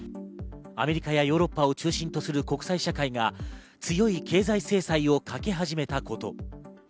アメリカやヨーロッパを中心とする国際社会が強い経済制裁をかけ始めたこと。